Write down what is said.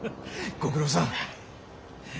ご苦労さん。